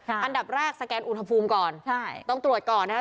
อันดับแรกสแกนอุณหภูมิก่อนใช่ต้องตรวจก่อนนะครับ